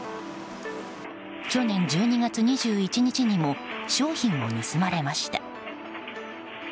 去年１２月２１日にも商品を盗まれました。